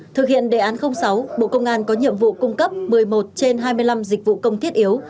thực hiện đề án sáu bộ công an có nhiệm vụ cung cấp một mươi một trên hai mươi năm dịch vụ công thiết yếu